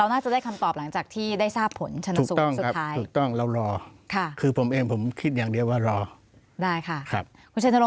แล้วน่าจะได้คำตอบหลังจากที่ได้ทราบผลทรุปต้องครับถูกต้องแล้วรอค่ะคือผมเองผมคิดอย่างเดียวว่ารอได้ค่ะ